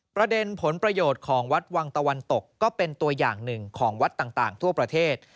ประเด็นผลประโยชน์ของวัดวังตะวันตกก็เป็นตัวอย่างหนึ่งของวัดต่างทั่วประเทศ